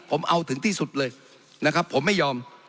ผมเอาถึงที่สุดเลยนะครับผมไม่ยอม